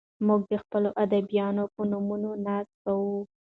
موږ د خپلو ادیبانو په نومونو ناز کوو.